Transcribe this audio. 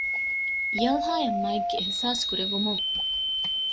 ޔަލްހާއަށް މައެއްގެ އިހްސާސް ކުރެވުމުން